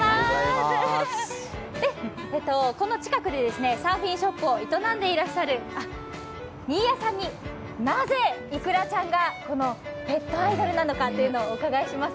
この近くでサーフィンショップを営んでいらっしゃる新谷さんになぜ、いくらちゃんがペットアイドルなのかお伺いします。